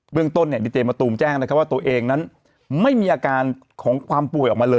เรื่องต้นดีเจมะตูมแจ้งนะครับว่าตัวเองนั้นไม่มีอาการของความป่วยออกมาเลย